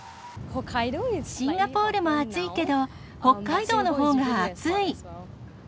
シンガポールも暑いけど、北海道のほうが暑い。